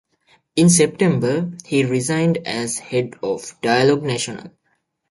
In September, he resigned as head of the Dialogue national.